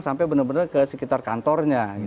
sampai benar benar ke sekitar kantornya